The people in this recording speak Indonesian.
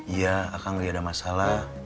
iya akan gak ada masalah